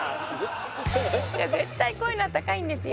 絶対こういうのは高いんですよ